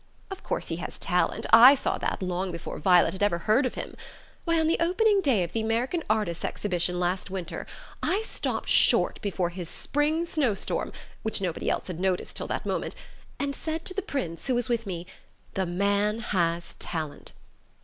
Of course he has talent: I saw that long before Violet had ever heard of him. Why, on the opening day of the American Artists' exhibition, last winter, I stopped short before his 'Spring Snow Storm' (which nobody else had noticed till that moment), and said to the Prince, who was with me: 'The man has talent.